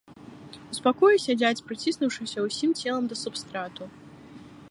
У спакоі сядзяць, прыціснуўшыся ўсім целам да субстрату.